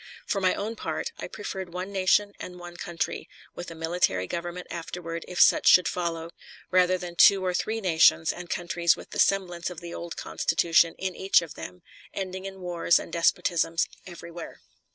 For my own part, I preferred one nation and one country, with a military government afterward, if such should follow, rather than two or three nations and countries with the semblance of the old Constitution in each of them, ending in wars and despotisms everywhere.